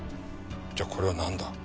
じゃあこれはなんだ？